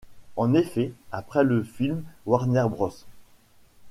En effet, après le film, Warner Bros.